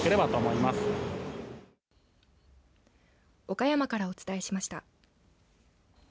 岡山からお伝えしました。